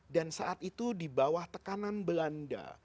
dan saat itu di bawah tekanan belanda